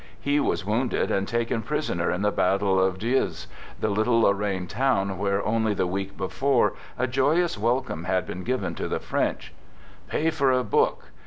He was wounded and taken prisoner in the battle of Dieuze, the little Lorraine town where only the week before a joyous welcome had been given to the French. Pay for a book!